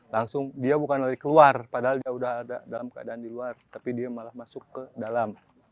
langsung dia bukan lari keluar padahal dia sudah ada dalam keadaan di luar tapi dia malah masuk ke dalam